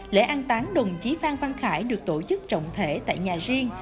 lễ an táng đồng chí phan văn khải được tổ chức trọng thể tại nhà riêng